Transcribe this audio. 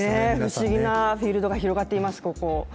不思議なフィールドが広がっています、ここ。